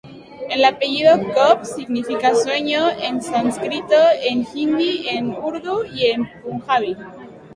El apellido "Cobb" significa "sueño" en sánscrito, en hindi, en urdu y en punjabi.